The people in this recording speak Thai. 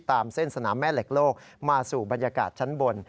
ตามเส้นสนามแม่เหล็กโลกมาสู่บรรยากาศชั้นบน